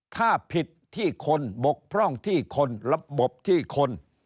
ถ้าผิดที่คนบกพร่องที่คนระบบที่คน